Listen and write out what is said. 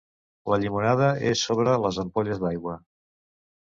La llimonada és sobre les ampolles d'aigua.